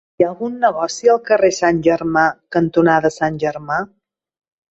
Hi ha algun negoci al carrer Sant Germà cantonada Sant Germà?